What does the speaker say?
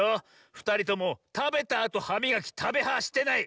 ふたりともたべたあとはみがき「たべは」してない！